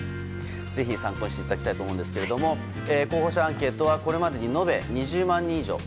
ぜひ参考にしていただきたいと思うんですが候補者アンケートはこれまでに延べ２０万人以上。